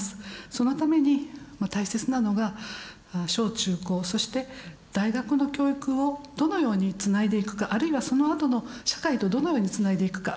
そのためにも大切なのが小中高そして大学の教育をどのようにつないでいくかあるいはそのあとの社会とどのようにつないでいくか。